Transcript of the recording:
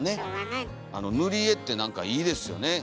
ぬりえってなんかいいですよね。